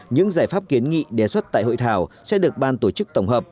những giải pháp kiến nghị đề xuất tại hội thảo sẽ được ban tổ chức tổng hợp